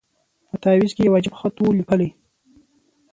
په تعویذ کي یو عجب خط وو لیکلی